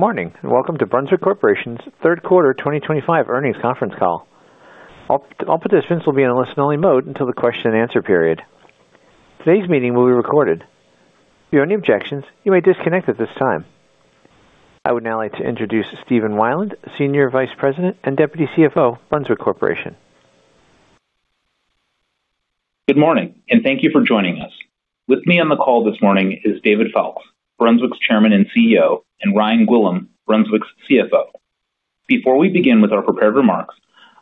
Good morning and welcome to Brunswick Corporation's third quarter 2025 earnings conference call. All participants will be in a listen-only mode until the question-and-answer period. Today's meeting will be recorded. If you have any objections, you may disconnect at this time. I would now like to introduce Stephen Weiland, Senior Vice President and Deputy CFO, Brunswick Corporation. Good morning and thank you for joining us. With me on the call this morning is David Foulkes, Brunswick's Chairman and CEO, and Ryan Gwillim, Brunswick's CFO. Before we begin with our prepared remarks,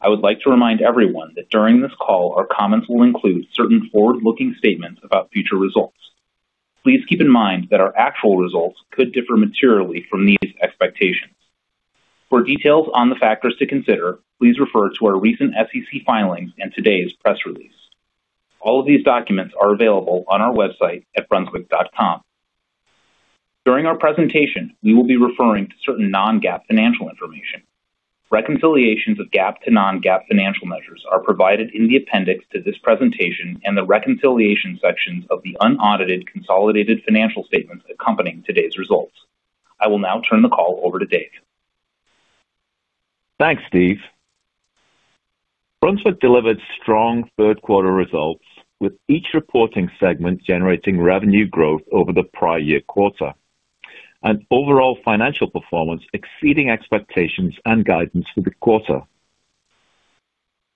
I would like to remind everyone that during this call, our comments will include certain forward-looking statements about future results. Please keep in mind that our actual results could differ materially from these expectations. For details on the factors to consider, please refer to our recent SEC filings and today's press release. All of these documents are available on our website at brunswick.com. During our presentation, we will be referring to certain non-GAAP financial information. Reconciliations of GAAP to non-GAAP financial measures are provided in the appendix to this presentation and the reconciliation sections of the unaudited consolidated financial statements accompanying today's results. I will now turn the call over to Dave. Thanks, Steve. Brunswick delivered strong third-quarter results, with each reporting segment generating revenue growth over the prior year quarter, and overall financial performance exceeding expectations and guidance for the quarter.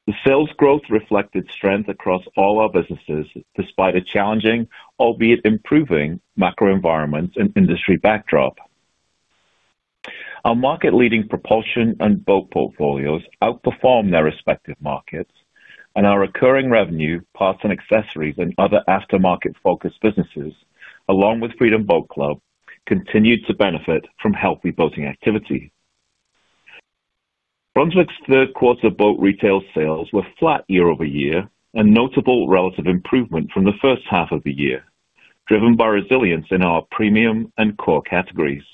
The sales growth reflected strength across all our businesses despite a challenging, albeit improving, macro environment and industry backdrop. Our market-leading propulsion and boat portfolios outperformed their respective markets, and our recurring revenue parts and accessories and other aftermarket-focused businesses, along with Freedom Boat Club, continued to benefit from healthy boating activities. Brunswick's third-quarter boat retail sales were flat year over year and notable relative improvement from the first half of the year, driven by resilience in our premium and core categories.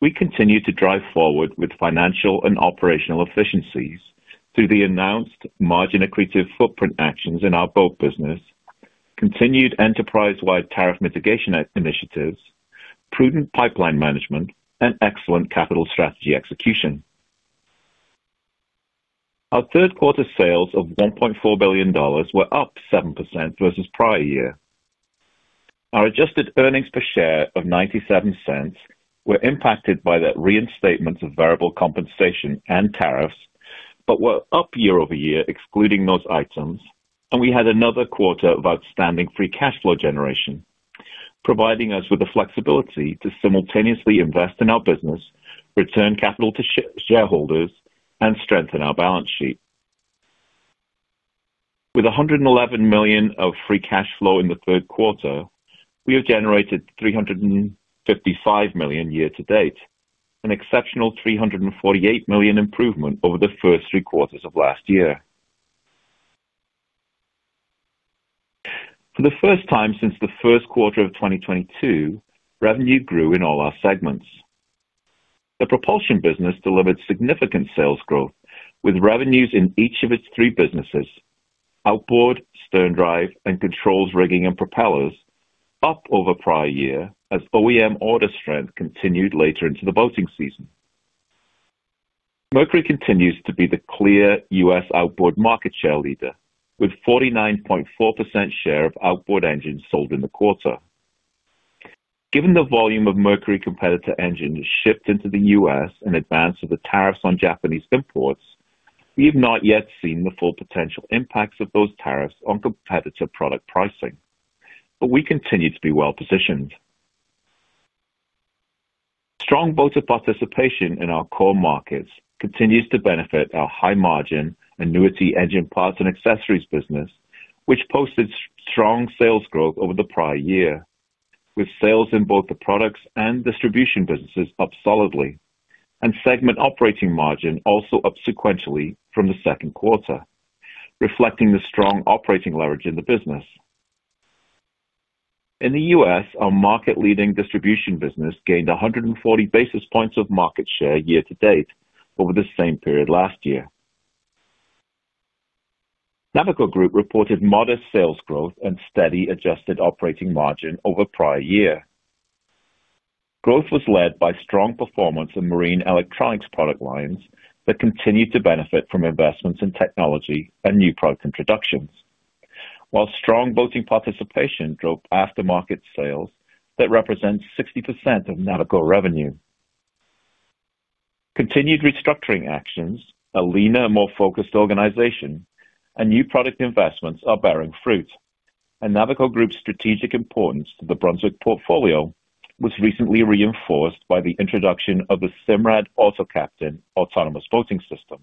We continue to drive forward with financial and operational efficiencies through the announced margin-accretive footprint actions in our boat business, continued enterprise-wide tariff mitigation initiatives, prudent pipeline management, and excellent capital strategy execution. Our third quarter sales of $1.4 billion were up 7% versus prior year. Our adjusted EPS of $0.97 were impacted by that reinstatement of variable compensation and tariffs, but were up year-over-year, excluding those items. We had another quarter of outstanding free cash flow generation, providing us with the flexibility to simultaneously invest in our business, return capital to shareholders, and strengthen our balance sheet. With $111 million of free cash flow in the third quarter, we have generated $355 million year-to-date, an exceptional $348 million improvement over the first three quarters of last year. For the first time since the first quarter of 2022, revenue grew in all our segments. The propulsion business delivered significant sales growth, with revenues in each of its three businesses: outboard, stern drive, and controls rigging and propellers up over prior year as OEM order strength continued later into the boating season. Mercury continues to be the clear U.S. outboard market share leader, with a 49.4% share of outboard engines sold in the quarter. Given the volume of Mercury competitor engines shipped into the U.S. in advance of the tariffs on Japanese imports, we have not yet seen the full potential impacts of those tariffs on competitor product pricing, but we continue to be well positioned. Strong boater participation in our core markets continues to benefit our high-margin annuity engine parts and accessories business, which posted strong sales growth over the prior year, with sales in both the products and distribution businesses up solidly and segment operating margin also up sequentially from the second quarter, reflecting the strong operating leverage in the business. In the U.S., our market-leading distribution business gained 140 basis points of market share year-to-date over the same period last year. Navico Group reported modest sales growth and steady adjusted operating margin over prior year. Growth was led by strong performance in marine electronics product lines that continue to benefit from investments in technology and new product introductions, while strong boater participation drove aftermarket sales that represent 60% of Navico revenue. Continued restructuring actions, a leaner and more focused organization, and new product investments are bearing fruit, and Navico Group's strategic importance to the Brunswick portfolio was recently reinforced by the introduction of the SIMRAD AutoCaptain autonomous boating system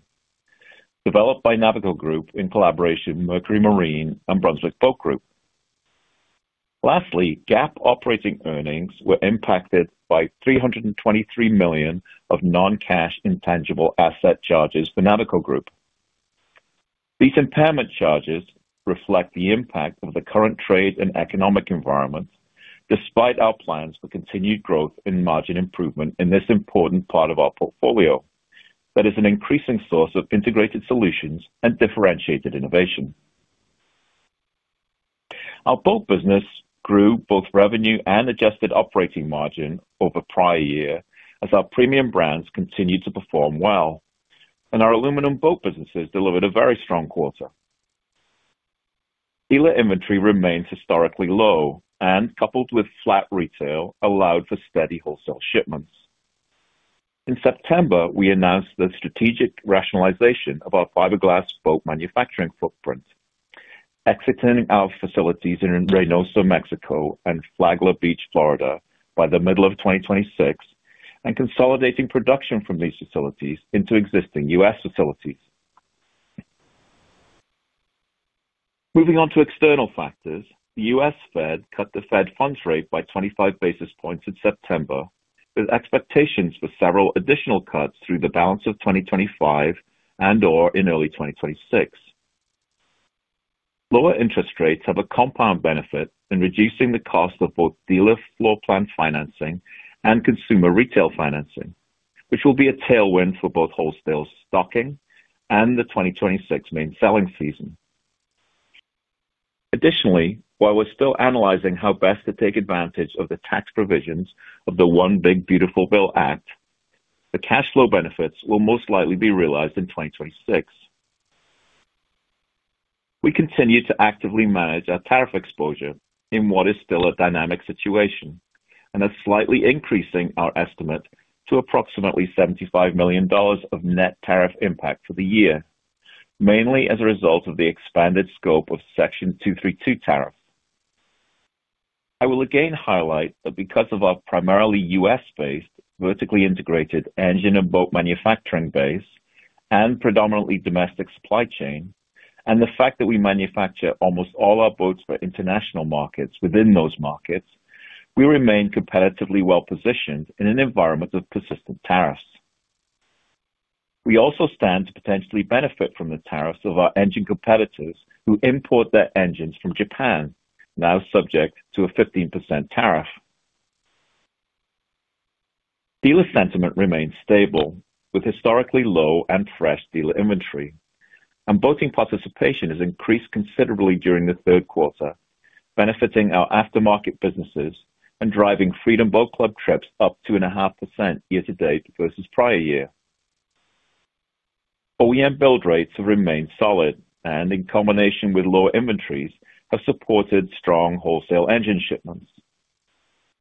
developed by Navico Group in collaboration with Mercury Marine propulsion and Brunswick Boat Group. Lastly, GAAP operating earnings were impacted by $323 million of non-cash intangible asset impairment charges for Navico Group. These impairment charges reflect the impact of the current trade and economic environment, despite our plans for continued growth and margin improvement in this important part of our portfolio that is an increasing source of integrated solutions and differentiated innovation. Our boat business grew both revenue and adjusted operating margin over prior year as our premium brands continued to perform well, and our aluminum boat businesses delivered a very strong quarter. Dealer inventory remains historically low, and coupled with flat retail allowed for steady wholesale shipments. In September, we announced the strategic rationalization of our fiberglass boat manufacturing footprint, exiting our facilities in Reynosa, Mexico, and Flagler Beach, Florida, by the middle of 2026 and consolidating production from these facilities into existing U.S. facilities. Moving on to external factors, the U.S. Fed cut the Fed funds rate by 25 basis points in September, with expectations for several additional cuts through the balance of 2025 and/or in early 2026. Lower interest rates have a compound benefit in reducing the cost of both dealer floor plan financing and consumer retail financing, which will be a tailwind for both wholesale stocking and the 2026 main selling season. Additionally, while we're still analyzing how best to take advantage of the tax provisions of the One Big Beautiful Bill Act, the cash flow benefits will most likely be realized in 2026. We continue to actively manage our tariff exposure in what is still a dynamic situation and are slightly increasing our estimate to approximately $75 million of net tariff impact for the year, mainly as a result of the expanded scope of Section 232 tariff. I will again highlight that because of our primarily U.S.-based vertically integrated engine and boat manufacturing base and predominantly domestic supply chain, and the fact that we manufacture almost all our boats for international markets within those markets, we remain competitively well positioned in an environment of persistent tariffs. We also stand to potentially benefit from the tariffs of our engine competitors who import their engines from Japan, now subject to a 15% tariff. Dealer sentiment remains stable, with historically low and fresh dealer inventory, and boating participation has increased considerably during the third quarter, benefiting our aftermarket businesses and driving Freedom Boat Club trips up 2.5% year-to-date versus prior year. OEM build rates have remained solid and, in combination with lower inventories, have supported strong wholesale engine shipments.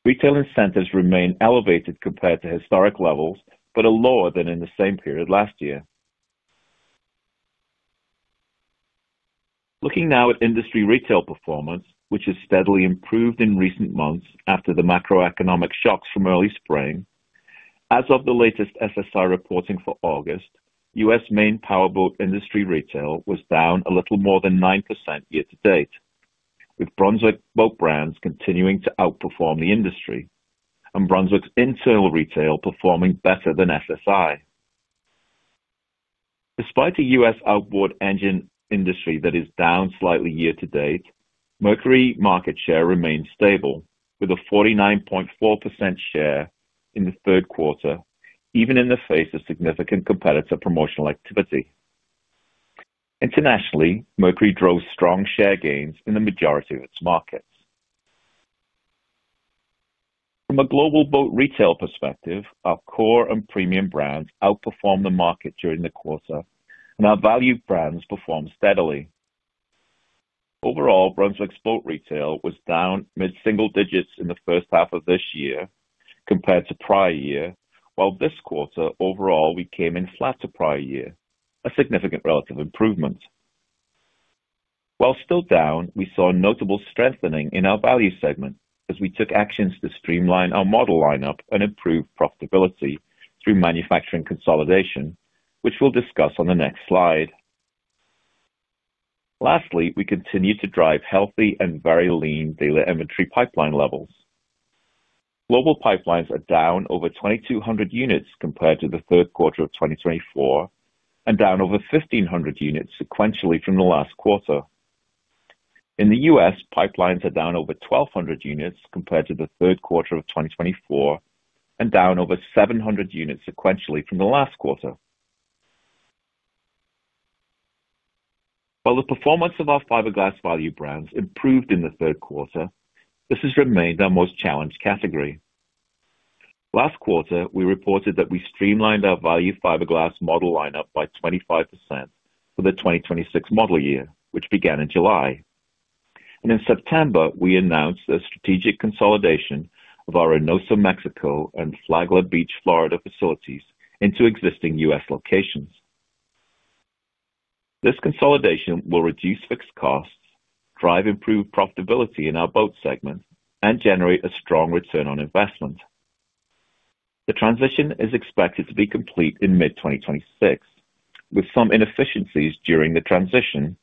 Retail incentives remain elevated compared to historic levels, but are lower than in the same period last year. Looking now at industry retail performance, which has steadily improved in recent months after the macroeconomic shocks from early spring, as of the latest SSI reporting for August, U.S. main power boat industry retail was down a little more than 9% year-to-date, with Brunswick boat brands continuing to outperform the industry and Brunswick's internal retail performing better than SSI. Despite a U.S. outboard engine industry that is down slightly year to date, Mercury market share remains stable with a 49.4% share in the third quarter, even in the face of significant competitor promotional activity. Internationally, Mercury drove strong share gains in the majority of its markets. From a global boat retail perspective, our core and premium brands outperformed the market during the quarter, and our value brands performed steadily. Overall, Brunswick's boat retail was down mid-single digits in the first half of this year compared to prior year, while this quarter overall we came in flat to prior year, a significant relative improvement. While still down, we saw a notable strengthening in our value segment as we took actions to streamline our model lineup and improve profitability through manufacturing consolidation, which we'll discuss on the next slide. Lastly, we continue to drive healthy and very lean dealer inventory pipeline levels. Global pipelines are down over 2,200 units compared to the third quarter of 2024 and down over 1,500 units sequentially from the last quarter. In the U.S., pipelines are down over 1,200 units compared to the third quarter of 2024 and down over 700 units sequentially from the last quarter. While the performance of our fiberglass value brands improved in the third quarter, this has remained our most challenged category. Last quarter, we reported that we streamlined our value fiberglass model lineup by 25% for the 2026 model year, which began in July. In September, we announced a strategic consolidation of our Reynosa, Mexico, and Flagler Beach, Florida facilities into existing U.S. locations. This consolidation will reduce fixed costs, drive improved profitability in our boat segment, and generate a strong return on investment. The transition is expected to be complete in mid-2026, with some inefficiencies during the transition,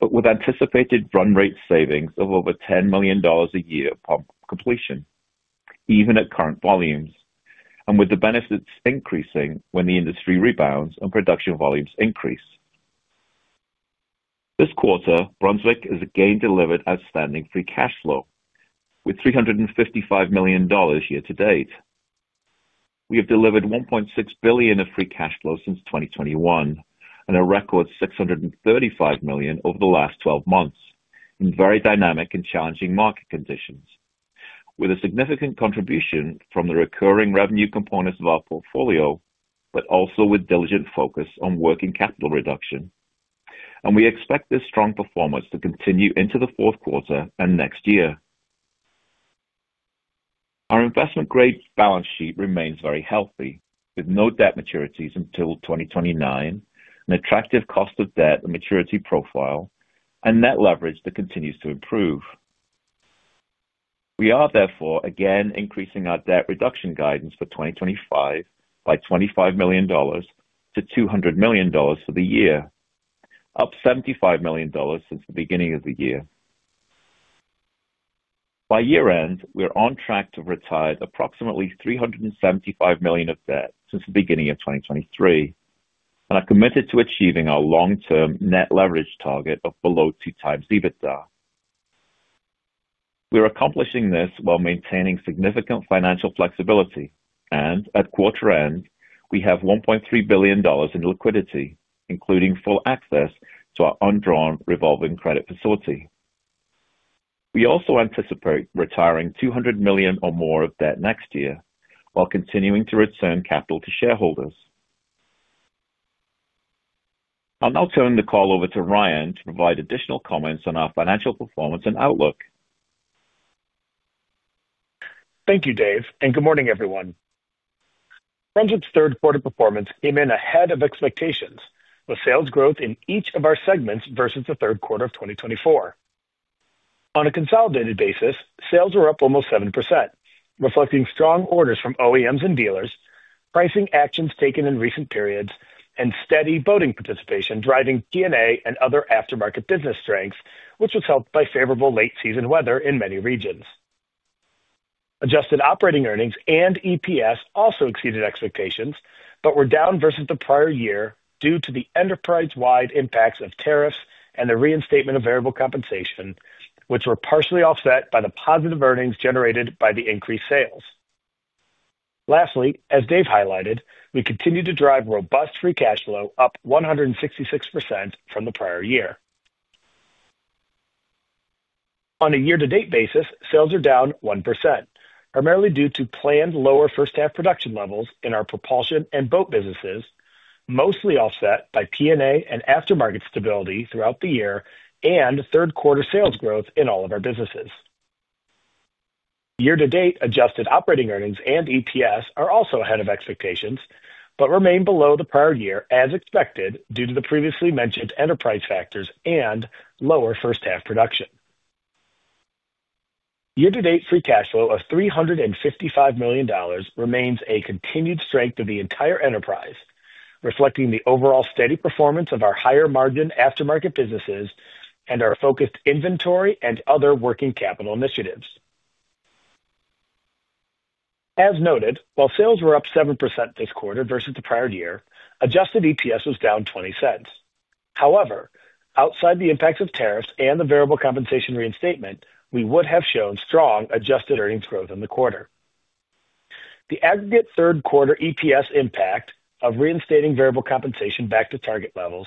but with anticipated run-rate savings of over $10 million a year upon completion, even at current volumes, and with the benefits increasing when the industry rebounds and production volumes increase. This quarter, Brunswick has again delivered outstanding free cash flow with $355 million year-to-date. We have delivered $1.6 billion of free cash flow since 2021 and a record $635 million over the last 12 months in very dynamic and challenging market conditions, with a significant contribution from the recurring revenue components of our portfolio, but also with diligent focus on working capital reduction. We expect this strong performance to continue into the fourth quarter and next year. Our investment-grade balance sheet remains very healthy, with no debt maturities until 2029, an attractive cost of debt and maturity profile, and net leverage that continues to improve. We are therefore again increasing our debt reduction guidance for 2025 by $25 million to $200 million for the year, up $75 million since the beginning of the year. By year-end, we're on track to have retired approximately $375 million of debt since the beginning of 2023, and are committed to achieving our long-term net leverage target of below two times EBITDA. We're accomplishing this while maintaining significant financial flexibility, and at quarter end, we have $1.3 billion in liquidity, including full access to our undrawn revolving credit facility. We also anticipate retiring $200 million or more of debt next year while continuing to return capital to shareholders. I'll now turn the call over to Ryan to provide additional comments on our financial performance and outlook. Thank you, Dave, and good morning, everyone. Brunswick's third-quarter performance came in ahead of expectations with sales growth in each of our segments versus the third quarter of 2024. On a consolidated basis, sales were up almost 7%, reflecting strong orders from OEMs and dealers, pricing actions taken in recent periods, and steady boating participation driving P&A and other aftermarket business strengths, which was helped by favorable late-season weather in many regions. Adjusted operating earnings and EPS also exceeded expectations but were down versus the prior year due to the enterprise-wide impacts of tariffs and the reinstatement of variable compensation, which were partially offset by the positive earnings generated by the increased sales. Lastly, as Dave highlighted, we continue to drive robust free cash flow, up 166% from the prior year. On a year-to-date basis, sales are down 1%, primarily due to planned lower first-half production levels in our propulsion and boat businesses, mostly offset by P&A and aftermarket stability throughout the year and third-quarter sales growth in all of our businesses. Year-to-date adjusted operating earnings and EPS are also ahead of expectations but remain below the prior year as expected due to the previously mentioned enterprise factors and lower first-half production. Year-to-date free cash flow of $355 million remains a continued strength of the entire enterprise, reflecting the overall steady performance of our higher margin aftermarket businesses and our focused inventory and other working capital initiatives. As noted, while sales were up 7% this quarter versus the prior year, adjusted EPS was down $0.20. However, outside the impacts of tariffs and the variable compensation reinstatement, we would have shown strong adjusted earnings growth in the quarter. The aggregate third-quarter EPS impact of reinstating variable compensation back to target levels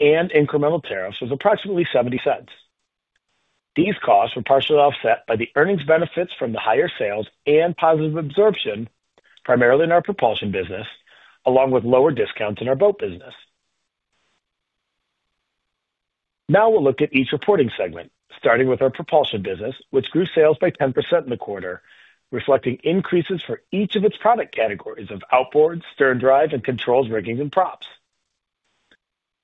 and incremental tariffs was approximately $0.70. These costs were partially offset by the earnings benefits from the higher sales and positive absorption, primarily in our propulsion business, along with lower discounts in our boat business. Now we'll look at each reporting segment, starting with our propulsion business, which grew sales by 10% in the quarter, reflecting increases for each of its product categories of outboard, stern drive, and controls rigging and props.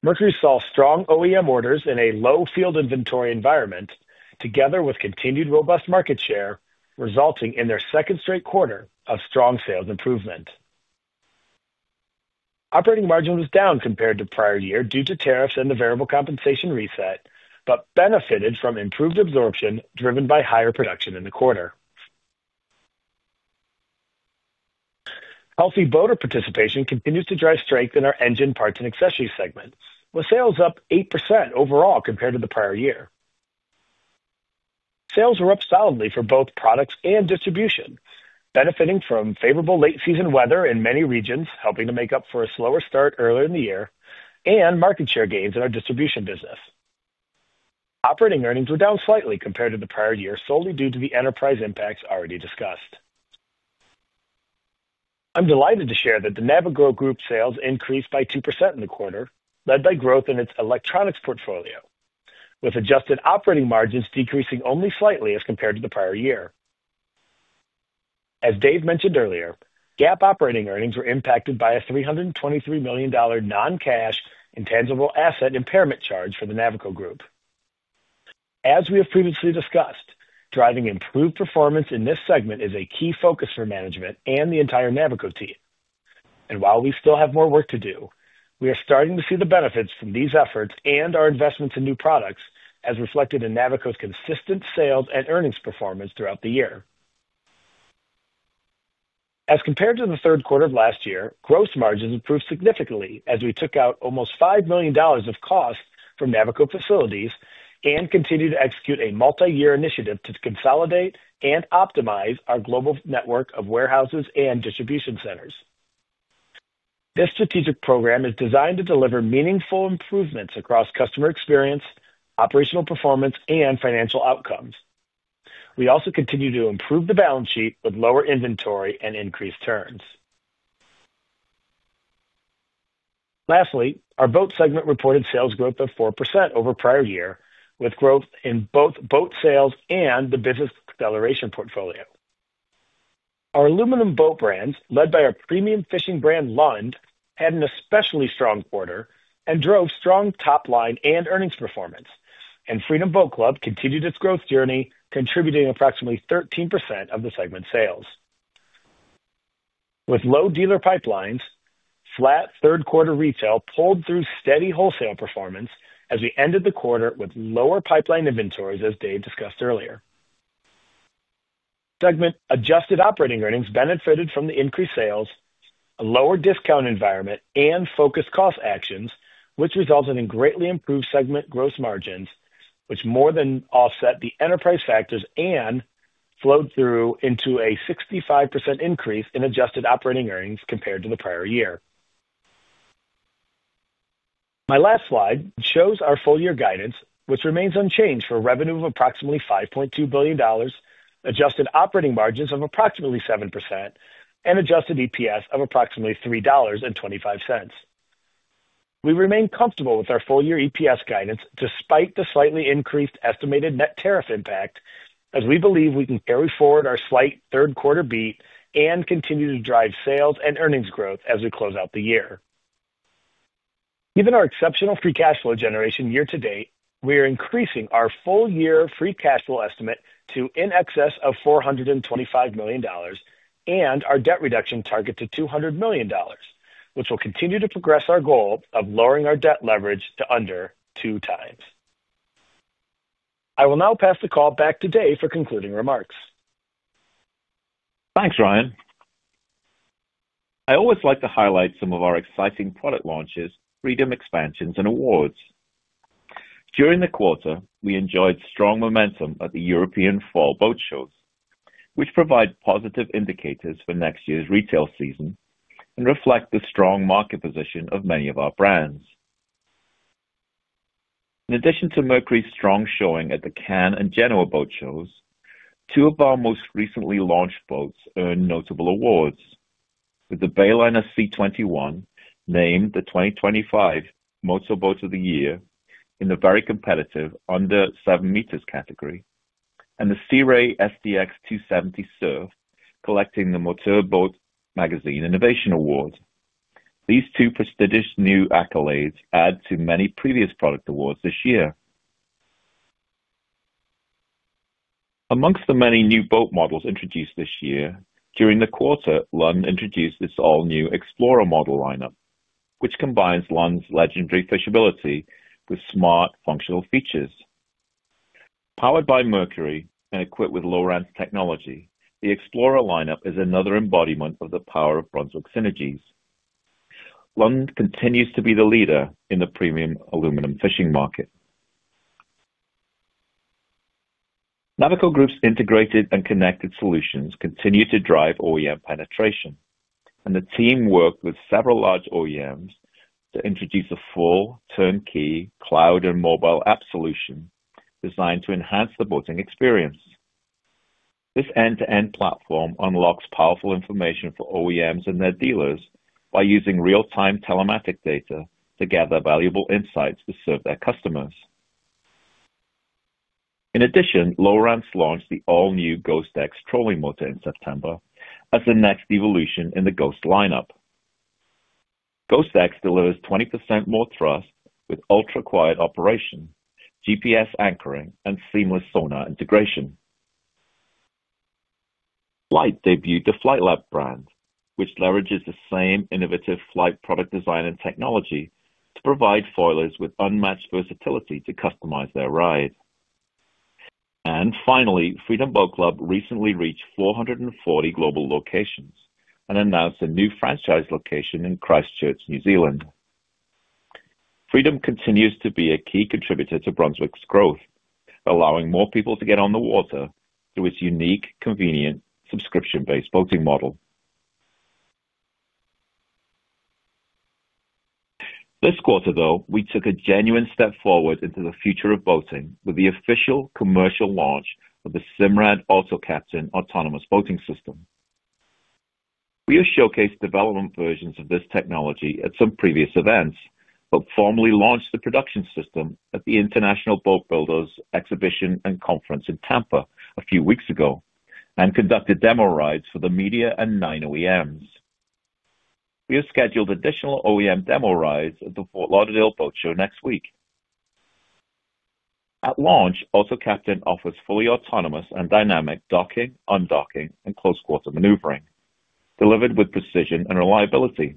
Mercury saw strong OEM orders in a low field inventory environment, together with continued robust market share, resulting in their second straight quarter of strong sales improvement. Operating margin was down compared to prior year due to tariffs and the variable compensation reset, but benefited from improved absorption driven by higher production in the quarter. Healthy boater participation continues to drive strength in our engine parts and accessories segment, with sales up 8% overall compared to the prior year. Sales were up solidly for both products and distribution, benefiting from favorable late-season weather in many regions, helping to make up for a slower start earlier in the year, and market share gains in our distribution business. Operating earnings were down slightly compared to the prior year, solely due to the enterprise impacts already discussed. I'm delighted to share that the Navico Group sales increased by 2% in the quarter, led by growth in its electronics portfolio, with adjusted operating margins decreasing only slightly as compared to the prior year. As Dave mentioned earlier, GAAP operating earnings were impacted by a $323 million non-cash intangible asset impairment charge for the Navico Group. As we have previously discussed, driving improved performance in this segment is a key focus for management and the entire Navico team. While we still have more work to do, we are starting to see the benefits from these efforts and our investments in new products, as reflected in Navico's consistent sales and earnings performance throughout the year. As compared to the third quarter of last year, gross margins improved significantly as we took out almost $5 million of costs from Navico facilities and continue to execute a multi-year initiative to consolidate and optimize our global network of warehouses and distribution centers. This strategic program is designed to deliver meaningful improvements across customer experience, operational performance, and financial outcomes. We also continue to improve the balance sheet with lower inventory and increased turns. Lastly, our boat segment reported sales growth of 4% over prior year, with growth in both boat sales and the business acceleration portfolio. Our aluminum boat brands, led by our premium fishing brand Lund, had an especially strong quarter and drove strong top line and earnings performance, and Freedom Boat Club continued its growth journey, contributing approximately 13% of the segment sales. With low dealer pipelines, flat third-quarter retail pulled through steady wholesale performance as we ended the quarter with lower pipeline inventories, as Dave discussed earlier. Segment adjusted operating earnings benefited from the increased sales, a lower discount environment, and focused cost actions, which resulted in greatly improved segment gross margins, which more than offset the enterprise factors and flowed through into a 65% increase in adjusted operating earnings compared to the prior year. My last slide shows our full-year guidance, which remains unchanged for a revenue of approximately $5.2 billion, adjusted operating margins of approximately 7%, and adjusted EPS of approximately $3.25. We remain comfortable with our full-year EPS guidance despite the slightly increased estimated net tariff impact, as we believe we can carry forward our slight third-quarter beat and continue to drive sales and earnings growth as we close out the year. Given our exceptional free cash flow generation year-to-date, we are increasing our full-year free cash flow estimate to in excess of $425 million and our debt reduction target to $200 million, which will continue to progress our goal of lowering our debt leverage to under 2x. I will now pass the call back to Dave for concluding remarks. Thanks, Ryan. I always like to highlight some of our exciting product launches, Freedom expansions, and awards. During the quarter, we enjoyed strong momentum at the European Fall Boat Shows, which provide positive indicators for next year's retail season and reflect the strong market position of many of our brands. In addition to Mercury's strong showing at the Cannes and Genoa Boat Shows, two of our most recently launched boats earned notable awards, with the Bayliner C21 named the 2025 Motor Boat of the Year in the very competitive under seven meters category and the Sea Ray SDX 270 Surf collecting the Motor Boat Magazine Innovation Award. These two prestigious new accolades add to many previous product awards this year. Amongst the many new boat models introduced this year, during the quarter, Lund introduced its all-new Explorer model lineup, which combines Lund's legendary fishability with smart functional features. Powered by Mercury Marine propulsion and equipped with Lowrance technology, the Explorer lineup is another embodiment of the power of Brunswick synergies. Lund continues to be the leader in the premium aluminum fishing market. Navico Group electronics' integrated and connected solutions continue to drive OEM penetration, and the team worked with several large OEMs to introduce a full turnkey cloud and mobile app solution designed to enhance the boating experience. This end-to-end platform unlocks powerful information for OEMs and their dealers by using real-time telematic data to gather valuable insights to serve their customers. In addition, Lowrance launched the all-new Ghost X trolling motor in September as the next evolution in the Ghost lineup. Ghost X delivers 20% more thrust with ultra-quiet operation, GPS anchoring, and seamless sonar integration. Flight debuted the FlightLab brand, which leverages the same innovative Flight product design and technology to provide foilers with unmatched versatility to customize their ride. Finally, Freedom Boat Club recently reached 440 global locations and announced a new franchise location in Christchurch, New Zealand. Freedom continues to be a key contributor to Brunswick Corporation's growth, allowing more people to get on the water through its unique, convenient subscription-based boating model. This quarter, though, we took a genuine step forward into the future of boating with the official commercial launch of the SIMRAD AutoCaptain autonomous boating system. We have showcased development versions of this technology at some previous events, but formally launched the production system at the International Boat Builders Exhibition and Conference in Tampa a few weeks ago and conducted demo rides for the media and nine OEMs. We have scheduled additional OEM demo rides at the Fort Lauderdale Boat Show next week. At launch, AutoCaptain offers fully autonomous and dynamic docking, undocking, and close-quarter maneuvering, delivered with precision and reliability.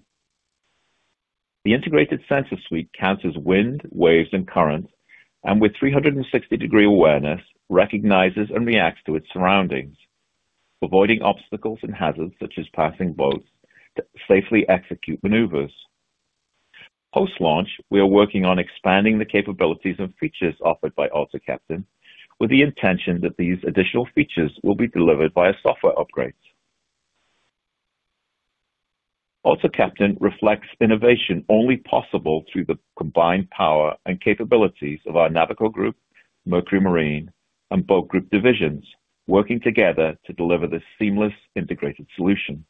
The integrated sensor suite counts wind, waves, and currents, and with 360-degree awareness, recognizes and reacts to its surroundings, avoiding obstacles and hazards such as passing boats to safely execute maneuvers. Post-launch, we are working on expanding the capabilities and features offered by AutoCaptain, with the intention that these additional features will be delivered via software upgrades. AutoCaptain reflects innovation only possible through the combined power and capabilities of our Navico Group, Mercury Marine, and Boat Group divisions working together to deliver this seamless integrated solution.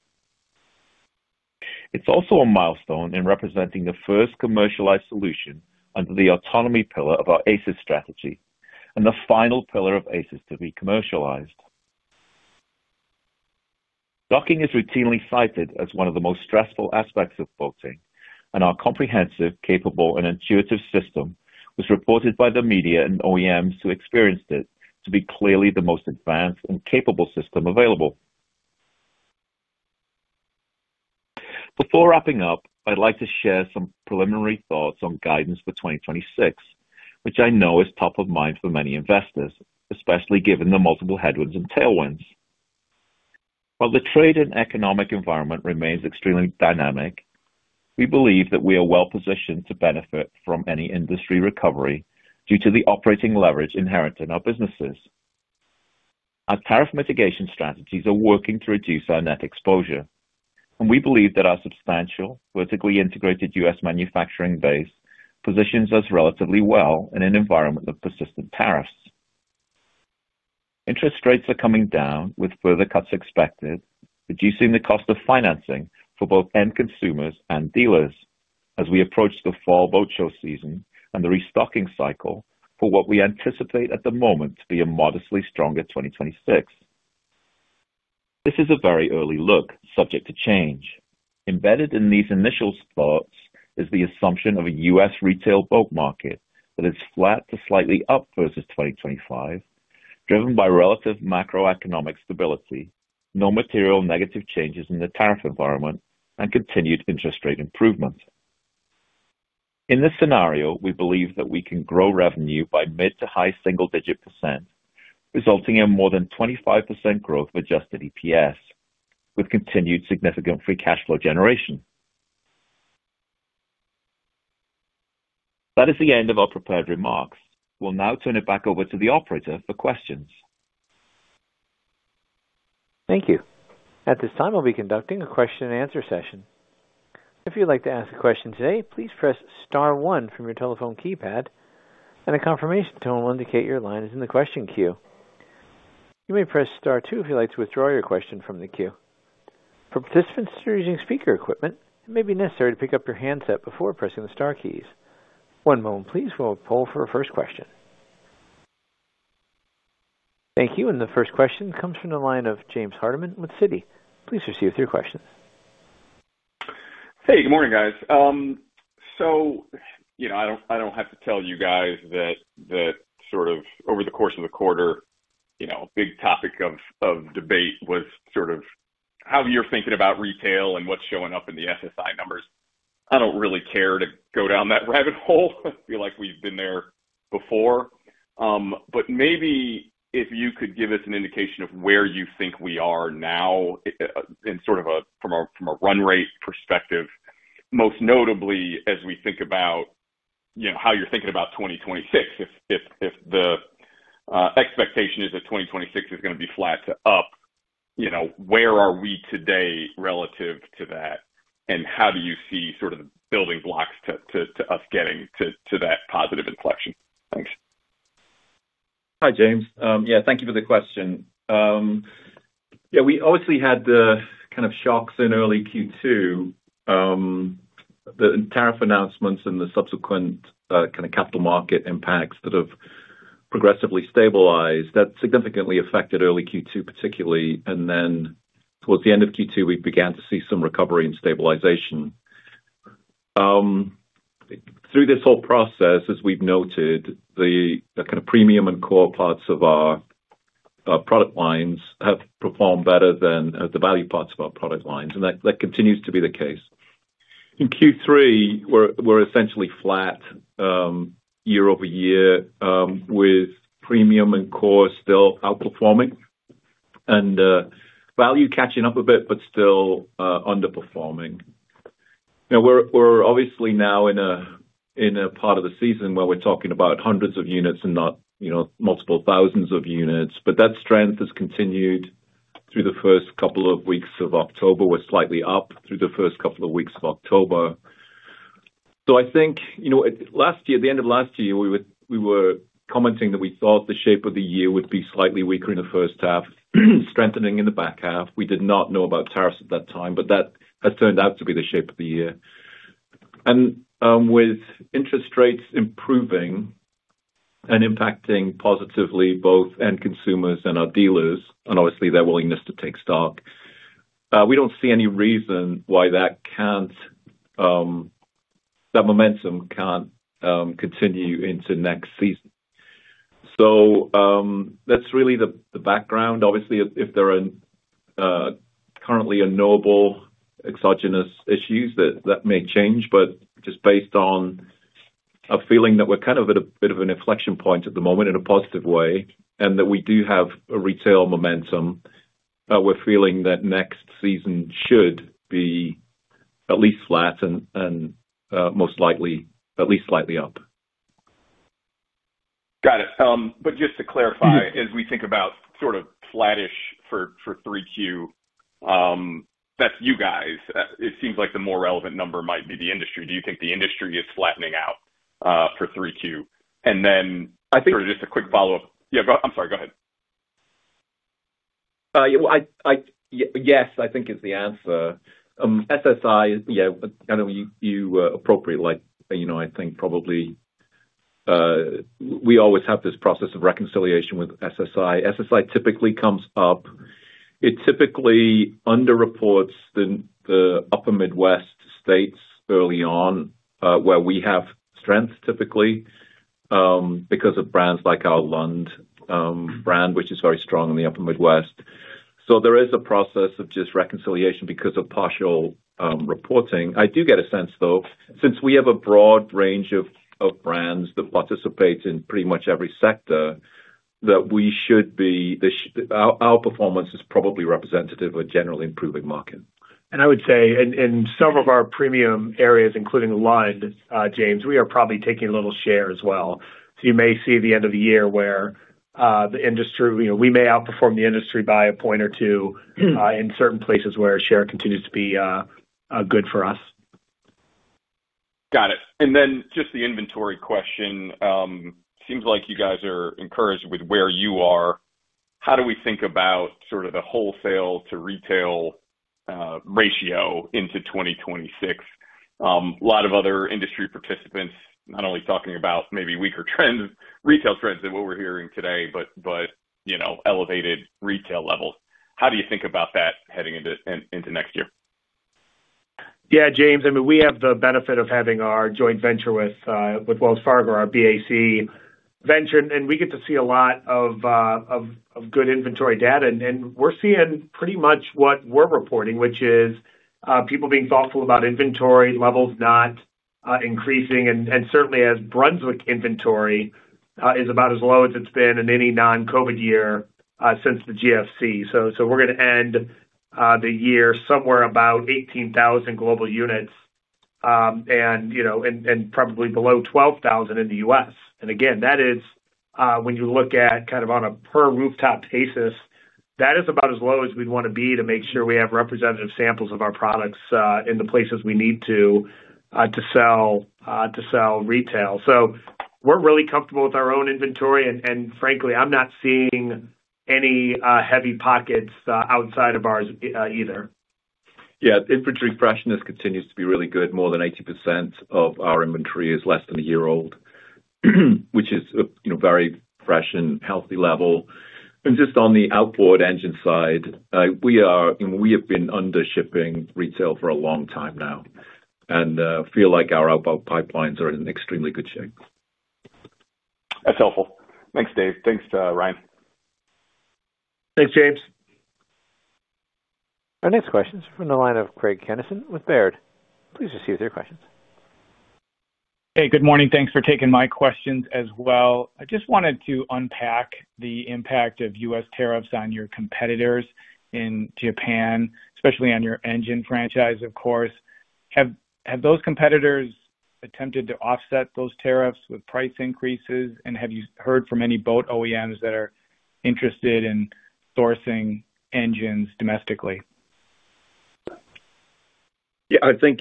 It's also a milestone in representing the first commercialized solution under the autonomy pillar of our ACES strategy and the final pillar of ACES to be commercialized. Docking is routinely cited as one of the most stressful aspects of boating, and our comprehensive, capable, and intuitive system was reported by the media and OEMs who experienced it to be clearly the most advanced and capable system available. Before wrapping up, I'd like to share some preliminary thoughts on guidance for 2026, which I know is top of mind for many investors, especially given the multiple headwinds and tailwinds. While the trade and economic environment remains extremely dynamic, we believe that we are well positioned to benefit from any industry recovery due to the operating leverage inherent in our businesses. Our tariff mitigation strategies are working to reduce our net exposure, and we believe that our substantial vertically integrated U.S. manufacturing base positions us relatively well in an environment of persistent tariffs. Interest rates are coming down with further cuts expected, reducing the cost of financing for both end consumers and dealers as we approach the fall boat show season and the restocking cycle for what we anticipate at the moment to be a modestly stronger 2026. This is a very early look subject to change. Embedded in these initial thoughts is the assumption of a U.S. retail boat market that is flat to slightly up versus 2025, driven by relative macroeconomic stability, no material negative changes in the tariff environment, and continued interest rate improvement. In this scenario, we believe that we can grow revenue by mid to high single-digit percent, resulting in more than 25% growth of adjusted EPS, with continued significant free cash flow generation. That is the end of our prepared remarks. We'll now turn it back over to the operator for questions. Thank you. At this time, I'll be conducting a question-and answer-session. If you'd like to ask a question today, please press *1 from your telephone keypad, and a confirmation tone will indicate your line is in the question queue. You may press *2 if you'd like to withdraw your question from the queue. For participants who are using speaker equipment, it may be necessary to pick up your handset before pressing the star keys. One moment, please. We'll pull for our first question. Thank you. The first question comes from the line of James Hardiman with Citi. Please proceed with your questions. Hey, good morning, guys. I don't have to tell you guys that over the course of the quarter, a big topic of debate was how you're thinking about retail and what's showing up in the SSI numbers. I don't really care to go down that rabbit hole. I feel like we've been there before, but maybe if you could give us an indication of where you think we are now, from a run rate perspective, most notably as we think about how you're thinking about 2026. If the expectation is that 2026 is going to be flat to up, where are we today relative to that, and how do you see the building blocks to us getting to that positive inflection? Thanks. Hi, James. Yeah, thank you for the question. Yeah, we obviously had the kind of shocks in early Q2, the tariff announcements and the subsequent kind of capital market impacts that have progressively stabilized, that significantly affected early Q2 particularly. Towards the end of Q2, we began to see some recovery and stabilization. Through this whole process, as we've noted, the kind of premium and core parts of our product lines have performed better than the value parts of our product lines, and that continues to be the case. In Q3, we're essentially flat year-over-year with premium and core still outperforming and value catching up a bit, but still underperforming. Now, we're obviously now in a part of the season where we're talking about hundreds of units and not multiple thousands of units, but that strength has continued through the first couple of weeks of October. We're slightly up through the first couple of weeks of October. I think, you know last year, the end of last year, we were commenting that we thought the shape of the year would be slightly weaker in the first half, strengthening in the back half. We did not know about tariffs at that time, but that has turned out to be the shape of the year. With interest rates improving and impacting positively both end consumers and our dealers, and obviously their willingness to take stock, we don't see any reason why that momentum can't continue into next season. That's really the background. Obviously, if there are currently a notable exogenous issue, that may change. Just based on a feeling that we're kind of at a bit of an inflection point at the moment in a positive way and that we do have a retail momentum, we're feeling that next season should be at least flat and most likely at least slightly up. Got it. Just to clarify, as we think about sort of flattish for 3Q, that's you guys. It seems like the more relevant number might be the industry. Do you think the industry is flattening out for 3Q? I think just a quick follow-up. Yeah, I'm sorry. Go ahead. Yes, I think is the answer. SSI, I know you appropriately, I think probably we always have this process of reconciliation with SSI. SSI typically comes up. It typically underreports the upper Midwest states early on where we have strength, typically because of brands like our Lund brand, which is very strong in the upper Midwest. There is a process of just reconciliation because of partial reporting. I do get a sense, though, since we have a broad range of brands that participate in pretty much every sector, that our performance is probably representative of a generally improving market. I would say in several of our premium areas, including Lund, James, we are probably taking a little share as well. You may see the end of the year where the industry, you know, we may outperform the industry by a point or two in certain places where our share continues to be good for us. Got it. Just the inventory question, it seems like you guys are encouraged with where you are. How do we think about sort of the wholesale to retail ratio into 2026? A lot of other industry participants are not only talking about maybe weaker retail trends than what we're hearing today, but, you know, elevated retail levels. How do you think about that heading into next year? Yeah, James, I mean, we have the benefit of having our joint venture with Wells Fargo, our BAC venture, and we get to see a lot of good inventory data. We're seeing pretty much what we're reporting, which is people being thoughtful about inventory levels not increasing. Certainly, as Brunswick inventory is about as low as it's been in any non-COVID year since the GFC. We're going to end the year somewhere about 18,000 global units and probably below 12,000 in the U.S. Again, when you look at kind of on a per rooftop basis, that is about as low as we'd want to be to make sure we have representative samples of our products in the places we need to sell retail. We're really comfortable with our own inventory. Frankly, I'm not seeing any heavy pockets outside of ours either. Yeah, inventory freshness continues to be really good. More than 80% of our inventory is less than a year old, which is a very fresh and healthy level. Just on the outboard engine side, we have been undershipping retail for a long time now and feel like our outbound pipelines are in extremely good shape. That's helpful. Thanks, Dave. Thanks, Ryan. Thanks, James. Our next question is from the line of Craig Kennison with Baird. Please proceed with your questions. Hey, good morning. Thanks for taking my questions as well. I just wanted to unpack the impact of U.S. tariffs on your competitors in Japan, especially on your engine franchise, of course. Have those competitors attempted to offset those tariffs with price increases? Have you heard from any boat OEMs that are interested in sourcing engines domestically? Yeah, I think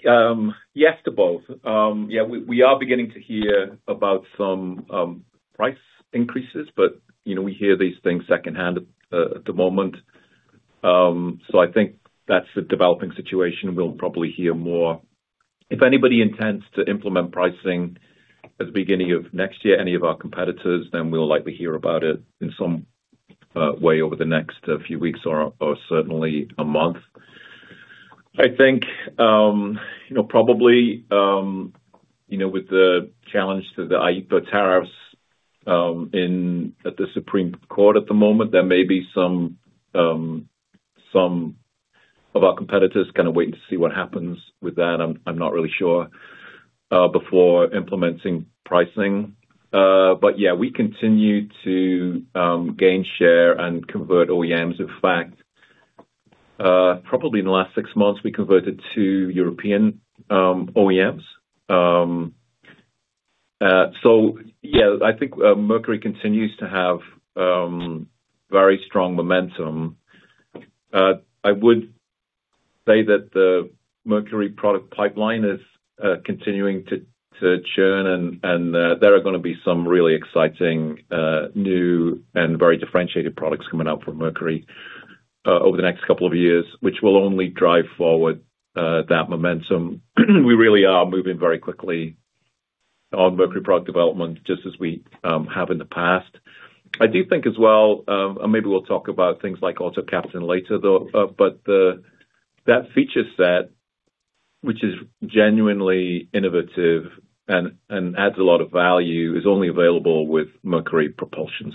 yes to both. We are beginning to hear about some price increases, but we hear these things secondhand at the moment. I think that's a developing situation. We'll probably hear more. If anybody intends to implement pricing at the beginning of next year, any of our competitors, then we'll likely hear about it in some way over the next few weeks or certainly a month. I think with the challenge to the [IPA tariffs] at the Supreme Court at the moment, there may be some of our competitors kind of waiting to see what happens with that. I'm not really sure before implementing pricing. We continue to gain share and convert OEMs. In fact, probably in the last six months, we converted two European OEMs. I think Mercury continues to have very strong momentum. I would say that the Mercury product pipeline is continuing to churn, and there are going to be some really exciting new and very differentiated products coming out from Mercury over the next couple of years, which will only drive forward that momentum. We really are moving very quickly on Mercury product development, just as we have in the past. I do think as well, and maybe we'll talk about things like AutoCaptain later, but that feature set, which is genuinely innovative and adds a lot of value, is only available with Mercury propulsion.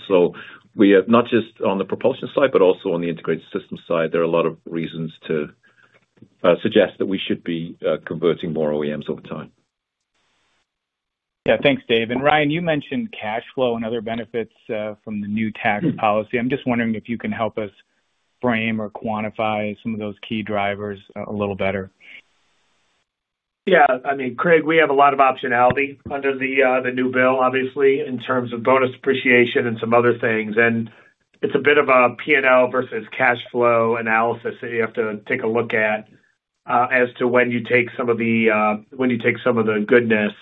We have not just on the propulsion side, but also on the integrated system side, there are a lot of reasons to suggest that we should be converting more OEMs over time. Yeah, thanks, Dave. Ryan, you mentioned cash flow and other benefits from the new tax policy. I'm just wondering if you can help us frame or quantify some of those key drivers a little better. Yeah, I mean, Craig, we have a lot of optionality under the new bill, obviously, in terms of bonus appreciation and some other things. It's a bit of a P&L versus cash flow analysis that you have to take a look at as to when you take some of the goodness.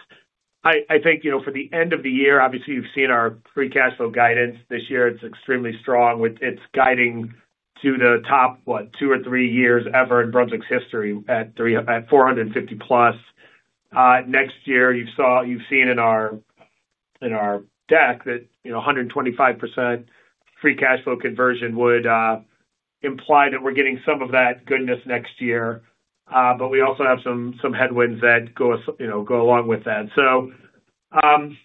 I think, you know, for the end of the year, obviously, you've seen our free cash flow guidance. This year, it's extremely strong. It's guiding to the top, what, two or three years ever in Brunswick's history at $450 million plus. Next year, you've seen in our deck that, you know, 125% free cash flow conversion would imply that we're getting some of that goodness next year. We also have some headwinds that go along with that.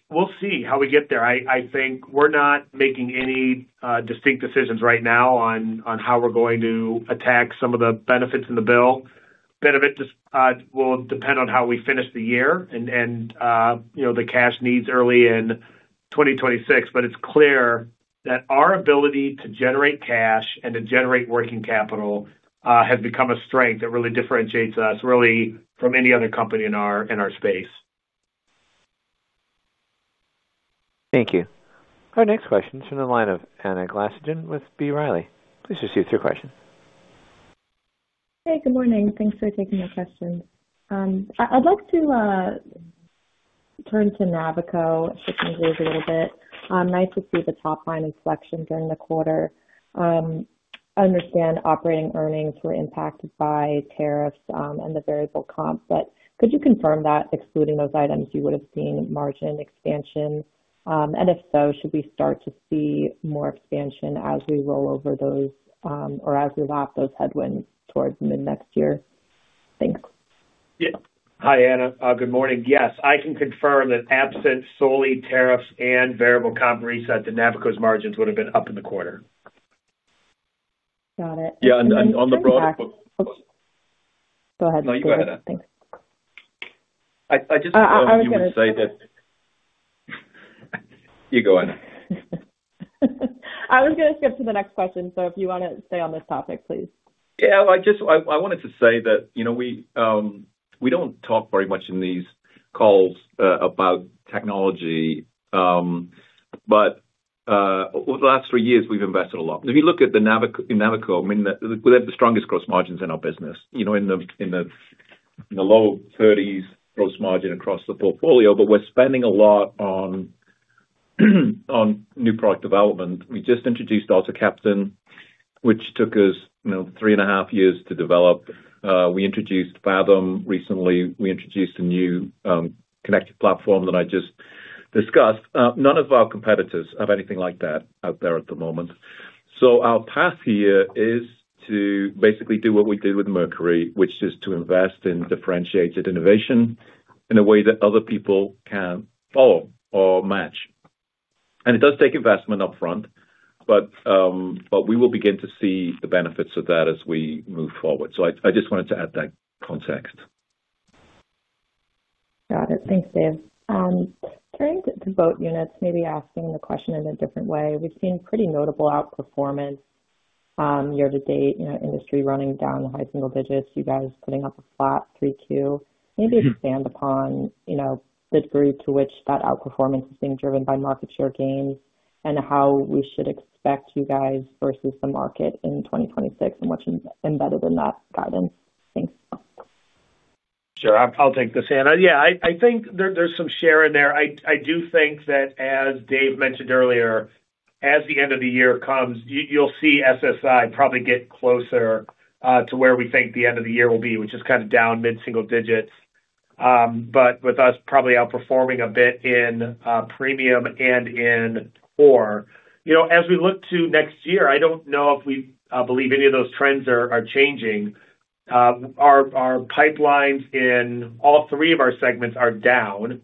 We'll see how we get there. I think we're not making any distinct decisions right now on how we're going to attack some of the benefits in the bill. A bit of it will depend on how we finish the year and, you know, the cash needs early in 2026. It's clear that our ability to generate cash and to generate working capital has become a strength that really differentiates us really from any other company in our space. Thank you. Our next question is from the line of Anna Glaessgen with B. Riley. Please proceed with your question. Hey, good morning. Thanks for taking your questions. I'd like to turn to Navico just a little bit. Nice to see the top line inflection during the quarter. I understand operating earnings were impacted by tariffs and the variable comps. Could you confirm that excluding those items, you would have seen margin expansion? If so, should we start to see more expansion as we roll over those or as we lap those headwinds towards mid-next year? Thanks. Yeah. Hi, Anna. Good morning. Yes, I can confirm that absent solely tariffs and variable comp reset, the Navico's margins would have been up in the quarter. Got it. [As we move through the rest of 2024.] Go ahead. No, you go ahead. Thanks. You go on. I was going to skip to the next question. If you want to stay on this topic, please. Yeah, I just wanted to say that, you know, we don't talk very much in these calls about technology. Over the last three years, we've invested a lot. If you look at the Navico, I mean, we have the strongest gross margins in our business, you know, in the low 30s-percent gross margin across the portfolio, but we're spending a lot on new product development. We just introduced AutoCaptain, which took us, you know, three and a half years to develop. We introduced Fathom recently. We introduced a new connected platform that I just discussed. None of our competitors have anything like that out there at the moment. Our path here is to basically do what we did with Mercury, which is to invest in differentiated innovation in a way that other people can't follow or match. It does take investment upfront, but we will begin to see the benefits of that as we move forward. I just wanted to add that context. Got it. Thanks, Dave. Turning to the boat units, maybe asking the question in a different way, we've seen pretty notable outperformance year to date, you know, industry running down the high single digits. You guys putting up a flat Q3. Maybe expand upon the degree to which that outperformance is being driven by market share gains and how we should expect you guys versus the market in 2026 and what's embedded in that guidance. Thanks. Sure. I'll take this in. I think there's some share in there. I do think that, as Dave mentioned earlier, as the end of the year comes, you'll see SSI probably get closer to where we think the end of the year will be, which is kind of down mid-single digits, with us probably outperforming a bit in premium and in core. As we look to next year, I don't know if we believe any of those trends are changing. Our pipelines in all three of our segments are down.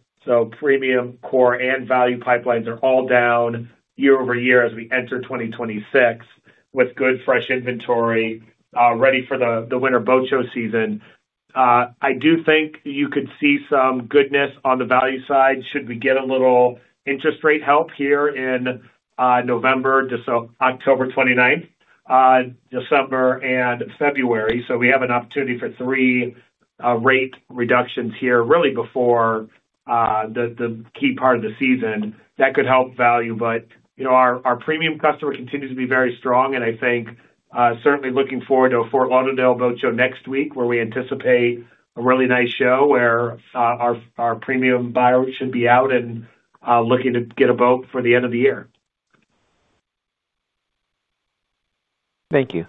Premium, core, and value pipelines are all down year-over-year as we enter 2026 with good fresh inventory ready for the winter boat show season. I do think you could see some goodness on the value side should we get a little interest rate help here in November, October 29, December, and February. We have an opportunity for three rate reductions here really before the key part of the season that could help value. Our premium customer continues to be very strong. I think certainly looking forward to a Fort Lauderdale boat show next week where we anticipate a really nice show where our premium buyer should be out and looking to get a boat for the end of the year. Thank you.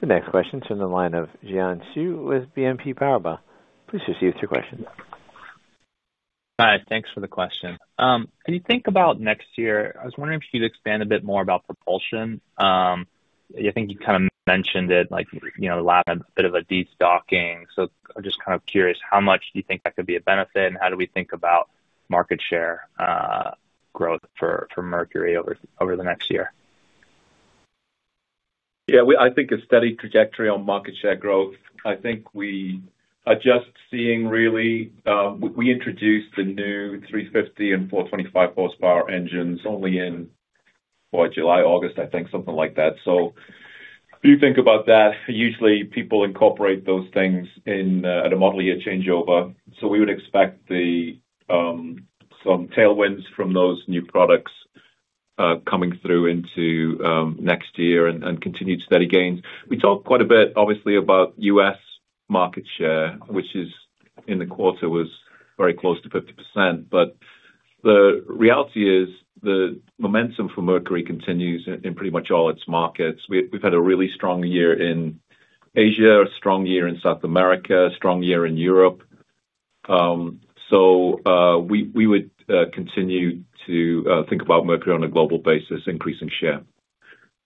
The next question is from the line of Xian Siew with BNP Paribas. Please proceed with your question. Hi, thanks for the question. When you think about next year, I was wondering if you'd expand a bit more about propulsion. I think you kind of mentioned it, like the last bit of a de-stocking. I'm just kind of curious, how much do you think that could be a benefit and how do we think about market share growth for Mercury over the next year? Yeah, I think a steady trajectory on market share growth. I think we are just seeing, really, we introduced the new 350 hp and 425 hp engines only in July, August, I think, something like that. If you think about that, usually people incorporate those things in at a model year changeover. We would expect some tailwinds from those new products coming through into next year and continued steady gains. We talked quite a bit, obviously, about U.S. market share, which in the quarter was very close to 50%. The reality is the momentum for Mercury continues in pretty much all its markets. We've had a really strong year in Asia, a strong year in South America, a strong year in Europe. We would continue to think about Mercury on a global basis, increasing share.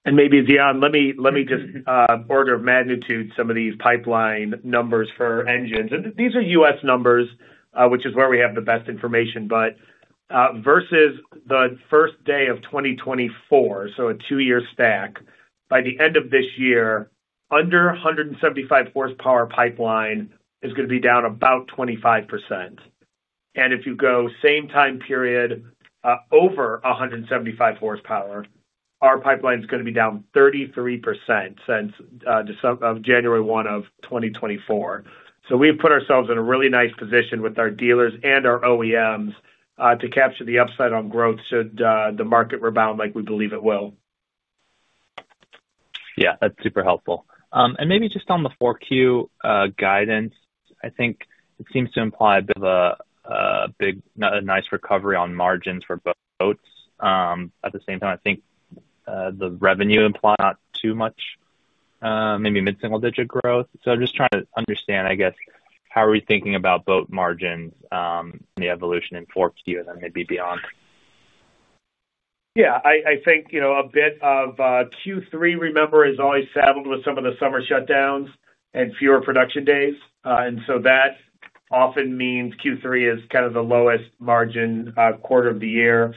Maybe, Jian, let me just order of magnitude some of these pipeline numbers for engines. These are U.S. numbers, which is where we have the best information. Versus the first day of 2024, so a two-year stack, by the end of this year, under 175 hp pipeline is going to be down about 25%. If you go same time period over 175 hp, our pipeline is going to be down 33% since January 1, 2024. We have put ourselves in a really nice position with our dealers and our OEMs to capture the upside on growth should the market rebound like we believe it will. Yeah, that's super helpful. Maybe just on the 4Q guidance, I think it seems to imply a nice recovery on margins for boats. At the same time, I think the revenue implies not too much, maybe mid-single digit growth. I'm just trying to understand, I guess, how are we thinking about boat margins and the evolution in 4Q and then maybe beyond? I think, you know, a bit of Q3, remember, is always saddled with some of the summer shutdowns and fewer production days. That often means Q3 is kind of the lowest margin quarter of the year.